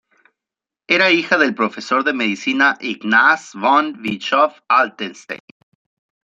Era hija del profesor de medicina Ignaz von Bischoff-Altenstein.